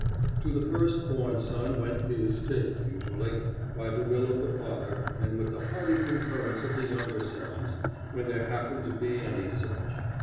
To the first born son went the estate usually, by the will of the father and with the hearty concurrence of the younger sons, when there happened to be any such.